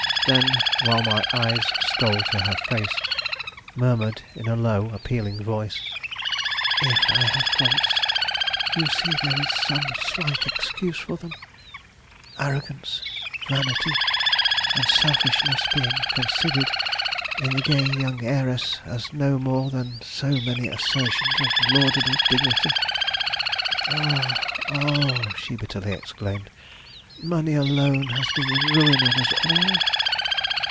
Then, while my eyes stole to her face, murmured in a low, appealing voice: "If I have faults, you see there is some slight excuse for them; arrogance, vanity, and selfishness being considered in the gay young heiress as no more than so many assertions of a laudable dignity. Ah! ah," she bitterly exclaimed "money alone has been the ruin of us all!"